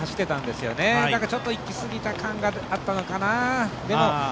ただちょっと行き過ぎた感があったのかな。